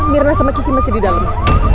mirna sama kiki masih di dalam